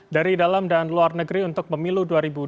dari dalam dan luar negeri untuk pemilu dua ribu dua puluh